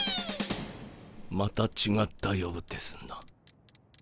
またちがったようですな。